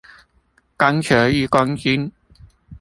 鋼球一公斤